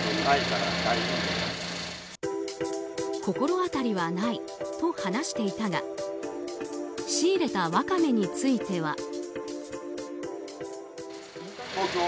心当たりはないと話していたが仕入れたワカメについては。